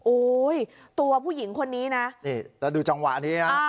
โอ้ยตัวผู้หญิงคนนี้นะนี่แล้วดูจังหวะนี้นะ